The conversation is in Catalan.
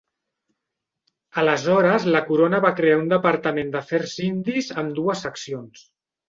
Aleshores la corona va crear un Departament d'afers indis amb dues seccions.